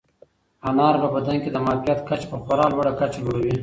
انار په بدن کې د معافیت کچه په خورا لوړه کچه لوړوي.